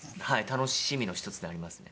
楽しみの１つではありますね。